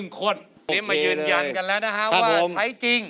โอเคเลยเรียกมายืนยันกันแล้วนะครับว่าใช้จริง